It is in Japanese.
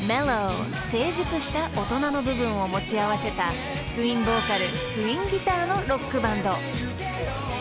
成熟した大人の部分を持ち合わせたツインボーカルツインギターのロックバンド］